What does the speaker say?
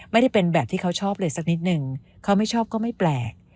ไม่ได้เป็นแบบที่เขาชอบเลยสักนิดนึงเขาไม่ชอบก็ไม่แปลก